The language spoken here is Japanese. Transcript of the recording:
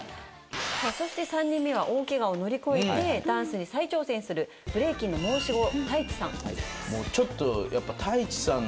さあそして３人目は大ケガを乗り越えてダンスに再挑戦するブレイキンの申し子。